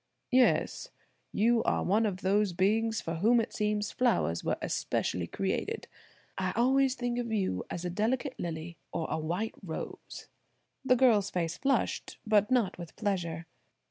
"Yes, you are one of those beings for whom it seems flowers were especially created. I always think of you as a delicate lily or a white rose." The girl's face flushed, but not with pleasure.